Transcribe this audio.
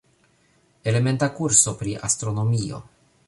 Elementa kurso pri astronomio.